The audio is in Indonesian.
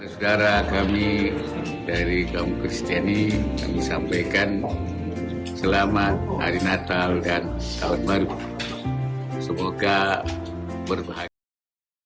saya dari kaum kristiani menyampaikan selamat hari natal dan tahun baru semoga berbahagia